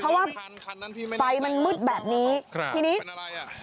เพราะว่าไฟมันมืดแบบนี้ทีนี้อะไรอ่ะ